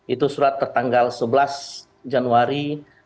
itu surat tertanggal sebelas januari dua ribu dua puluh